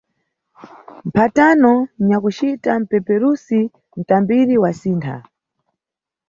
Mphatano nyakucita- mpeperusi –mtambiri wasintha.